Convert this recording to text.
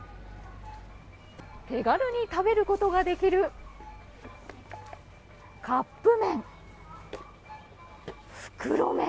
手軽に食べることができるカップ麺。